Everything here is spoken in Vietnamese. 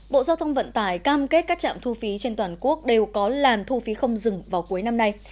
bộ giao thông vận tải cam kết các trạm thu phí trên toàn quốc đều có làn thu phí không dừng vào cuối năm nay